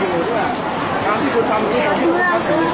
อาหรับเชี่ยวจามันไม่มีควรหยุด